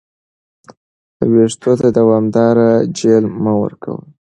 ویښتو ته دوامداره جیل مه ورکوه.